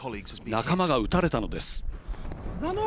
仲間が撃たれたのです。